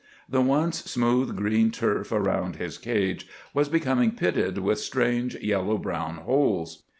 The once smooth green turf around his cage was becoming pitted with strange yellow brown holes.